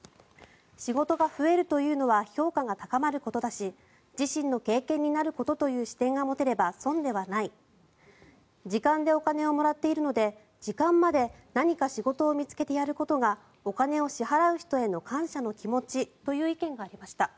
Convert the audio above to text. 仕事が増えるというのは評価が高まることだし自身の経験になることという視点が持てれば損ではない時間でお金をもらっているので時間まで何か仕事を見つけてやることがお金を支払う人への感謝の気持ちという意見が出ました。